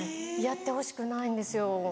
やってほしくないんですよ。